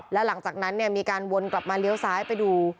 แล้วหลังจากนั้นมีการวนกลับมาเลี้ยวซ้ายไปดู